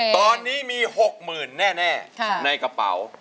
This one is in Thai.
ตอนนี้มี๖๐๐๐แน่ในกระเป๋า